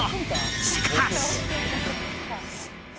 しかし。